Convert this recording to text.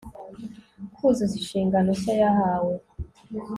kuzuza inshingano nshya yahawe